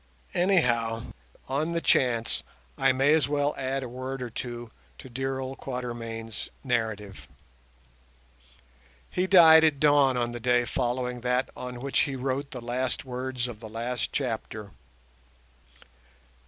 Anyhow, on the chance, I may as well add a word or two to dear old Quatermain's narrative. He died at dawn on the day following that on which he wrote the last words of the last chapter.